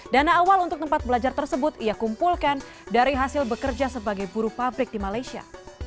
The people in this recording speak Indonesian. dana awal untuk tempat belajar tersebut ia kumpulkan dari hasil bekerja sebagai buru pabrik di malaysia